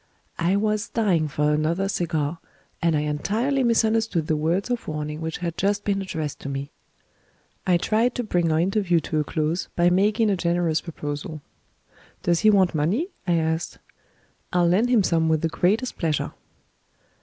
I was dying for another cigar, and I entirely misunderstood the words of warning which had just been addressed to me. I tried to bring our interview to a close by making a generous proposal. "Does he want money?" I asked. "I'll lend him some with the greatest pleasure."